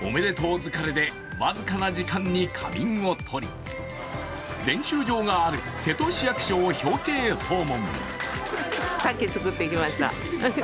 疲れで僅かな時間に仮眠をとり、練習場がある瀬戸市役所を表敬訪問。